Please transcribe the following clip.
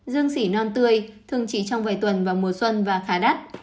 dương sỉ non tươi thường chỉ trong vài tuần vào mùa xuân và khá đắt